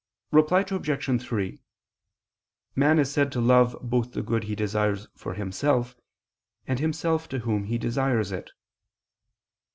Reply Obj. 3: Man is said to love both the good he desires for himself, and himself to whom he desires it.